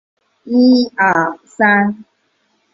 曾在托勒密五世宫廷中担任私人秘书。